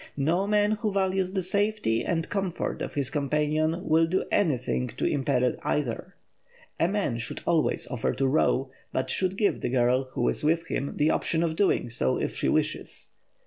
No man who values the safety and comfort of his companion will do anything to imperil either. A man should always offer to row, but should give the girl who is with him the option of doing so if she wishes.